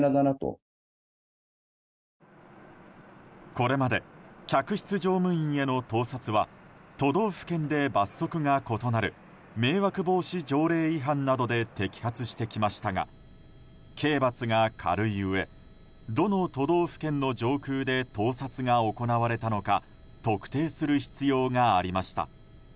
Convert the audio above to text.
これまで客室乗務員への盗撮は都道府県で罰則が異なる迷惑防止条例違反などで摘発してきましたが刑罰が軽いうえどの都道府県の上空で盗撮が行われたのか特定する必要がありました。